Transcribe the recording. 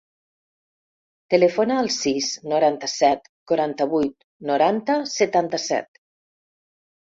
Telefona al sis, noranta-set, quaranta-vuit, noranta, setanta-set.